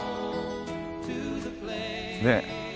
ねえ。